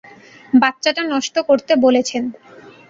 বাচ্চাটা নষ্ট করতে বলেছেন।